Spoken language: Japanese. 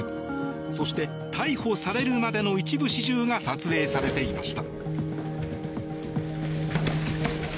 そして、逮捕されるまでの一部始終が撮影されていました。